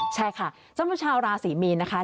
ใช่ค่ะจำนวนชาวราศีมีนนะคะ